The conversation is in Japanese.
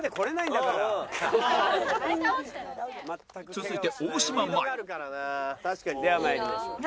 続いて大島麻衣では参りましょう。